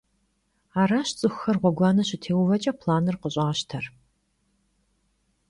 Araş ts'ıxuxer ğueguane şıtêuveç'e planır khış'aşter.